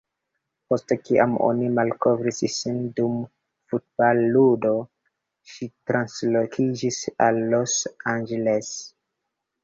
Post kiam oni malkovris ŝin dum futbal-ludo, ŝi translokiĝis al Los Angeles.